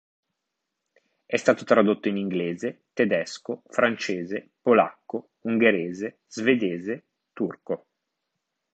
È stato tradotto in inglese, tedesco, francese, polacco, ungherese, svedese, turco.